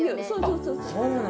そうそう。